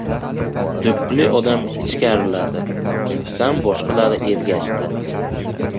Do‘ppili odam ichkariladi. Ketidan boshqalari ergashdi.